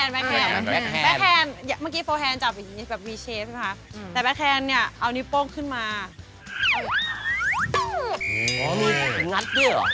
เวลาเสริมจะโดนหน้าก่อนครับ